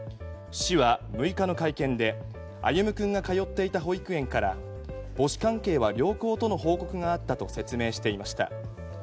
市は６日の会見で歩夢君が通っていた保育園から母子関係は良好との報告があったと説明していました。